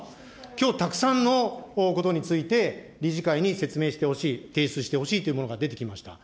きょう、たくさんのことについて理事会に説明してほしい、提出してほしいというものが出てきました。